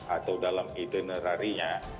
atau dalam itinerarinya